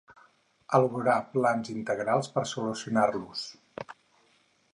Elaboraran plans integrals per solucionar-los.